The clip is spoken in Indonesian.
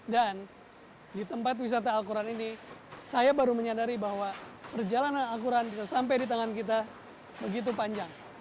dan di tempat wisata al quran ini saya baru menyadari bahwa perjalanan al quran yang sampai di tangan kita begitu panjang